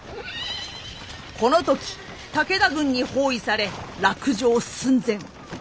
この時武田軍に包囲され落城寸前。